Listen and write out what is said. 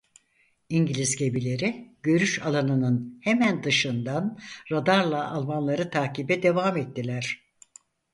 İngiliz gemileri görüş alanının hemen dışından radarla almanları takibe devam ettiler.